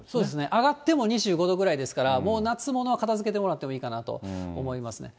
上がっても２５度ぐらいですから、もう夏物は片づけてもらってもいいかなと思いますね。